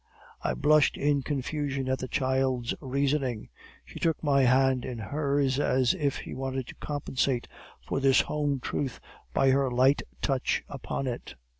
"I blushed in confusion at the child's reasoning. She took my hand in hers as if she wanted to compensate for this home truth by her light touch upon it.